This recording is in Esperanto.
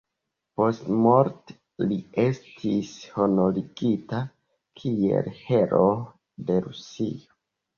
Postmorte li estis honorigita kiel Heroo de Rusio.